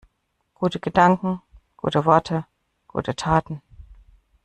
Gute Gedanken, gute Worte, gute Taten.